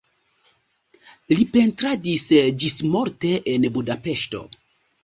Li pentradis ĝismorte en Budapeŝto.